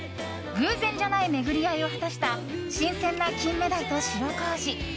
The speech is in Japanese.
偶然じゃない巡り合いを果たした新鮮なキンメダイと塩麹。